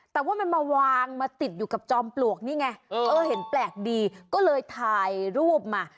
แต่ว่ามันมาวางมาติดอยู่กับจอมปลวกนี่ไงเออเห็นแปลกดีก็เลยถ่ายรูปมา